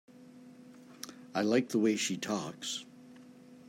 I like the way she talks.